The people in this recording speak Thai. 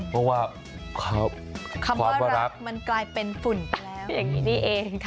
เพราะว่าความรับมันกลายเป็นฝุ่นตะอย่างงี้นี่เอง